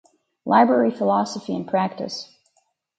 Library Philosophy and Practice.